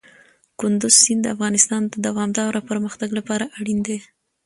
کندز سیند د افغانستان د دوامداره پرمختګ لپاره اړین دی.